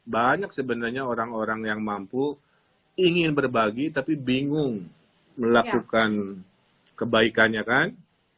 banyak sebenarnya orang orang yang mampu ingin berbagi tapi bingung melakukan kebaikannya kan